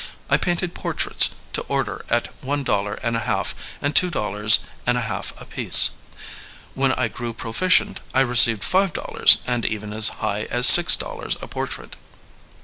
I painted por traits to order at one dollar and a half and two dol lars and a half apiece. When I grew proficient I received five dollars and even as high as six dollars a portrait.